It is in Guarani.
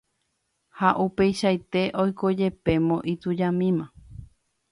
ha upeichaite oiko jepémo itujamíma